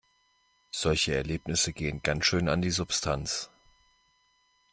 Solche Erlebnisse gehen ganz schön an die Substanz.